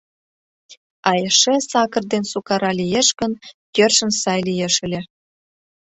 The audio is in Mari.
А эше сакыр ден сукара лиеш гын, йӧршын сай лиеш ыле.